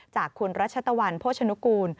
จากคุณรัชตะวันโภชนุกูล